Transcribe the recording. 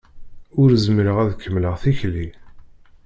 Ur zmireɣ ad kemmleɣ tikli.